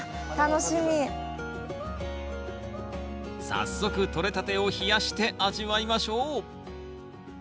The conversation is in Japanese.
早速とれたてを冷やして味わいましょう！